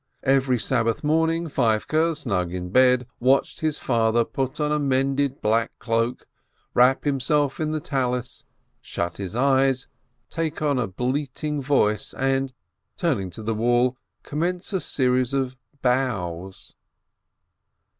Every Sabbath morning Feivke, snug in bed, watched his father put on a mended black cloak, wrap himself in the Tallis, shut his eyes, take on a bleating voice, and, turning to the wall, commence a series of bows.